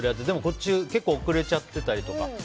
でも、こっち結構遅れちゃったりとか。